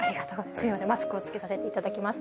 すみませんマスクをつけさせていただきます。